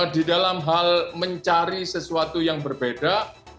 di dalam hal mencari sesuatu yang berbeda